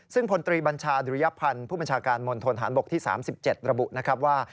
ซึ่งพลตรีบัญชาดุริยพันธ์ผู้บัญชาการมณฑนฐานบกที่๓๗ระบุนะครับว่า